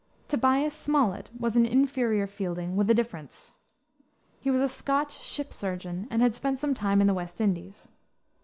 Tobias Smollett was an inferior Fielding with a difference. He was a Scotch ship surgeon and had spent some time in the West Indies.